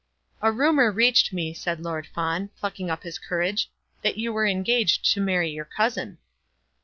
"A rumour reached me," said Lord Fawn, plucking up his courage, "that you were engaged to marry your cousin."